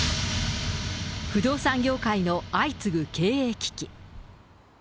不動産業界の相次ぐ経営危機。